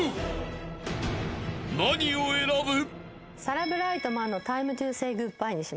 ［何を選ぶ？］